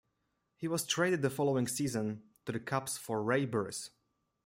He was traded the following season to the Cubs for Ray Burris.